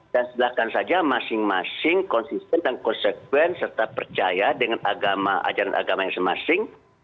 dan sedangkan saja masing masing konsisten dan konsekuensi serta percaya dengan agama ajaran agama yang semasing